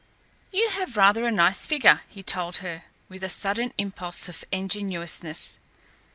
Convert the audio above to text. "You have rather a nice figure," he told her with a sudden impulse of ingenuousness.